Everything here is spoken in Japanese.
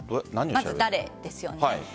まず誰ですよね。